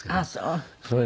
ああそう。